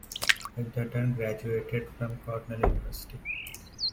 Edgerton graduated from Cornell University.